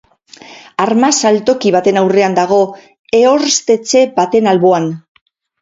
Arma saltoki baten aurrean dago, ehorztetxe baten alboan.